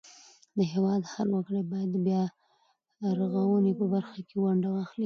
د هیواد هر وګړی باید د بیارغونې په برخه کې ونډه واخلي.